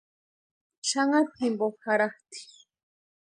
Xanharhu jimpo jarhatʼi.